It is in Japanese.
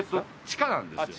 地下なんですよ。